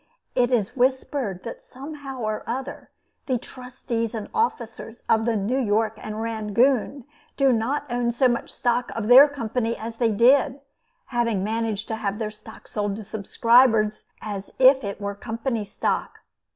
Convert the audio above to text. It is whispered that somehow or other the trustees and officers of the New York and Rangoon do not own so much stock of their company as they did, having managed to have their stock sold to subscribers as if it were company stock.